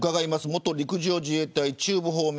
元陸上自衛隊中部方面